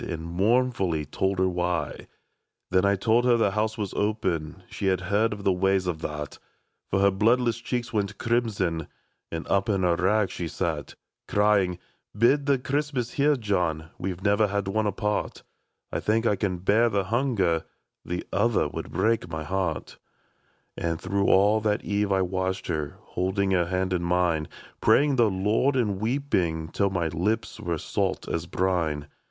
And mournfully told her why. " Then I told her * the House ' was open ; She had heard of the ways of that^ For her bloodless cheeks went crimson, And up in her rags she sat, Crying, * Bide the Christmas here, John, We Ve never had one apart ; I think I can bear the hunger, — The other would break my heart/ " All through that eve I watched her. Holding her hand in mine. Praying the Lord, and weeping Till my lips were salt as brine. k IN THE WORKHOUSE.